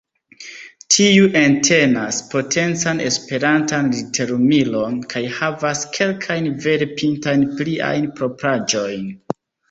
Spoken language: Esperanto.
Tiu entenas potencan esperantan literumilon kaj havas kelkajn vere pintajn pliajn propraĵojn.